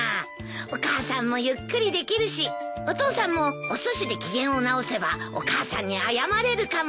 お母さんもゆっくりできるしお父さんもおすしで機嫌を直せばお母さんに謝れるかも。